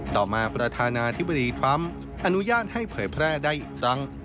ต่อมาประธานาธิบดีทรัมป์อนุญาตให้เผยแพร่ได้อีกครั้ง